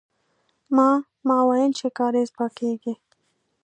ما، ما ويل چې کارېز پاکيږي.